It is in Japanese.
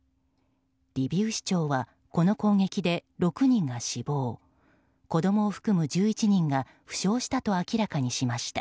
リビウ市長はこの攻撃で６人が死亡子供を含む１１人が負傷したと明らかにしました。